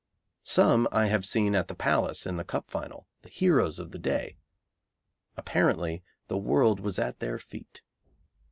Some I have seen at the Palace in the Cup Final, the heroes of the day; apparently the world was at their feet.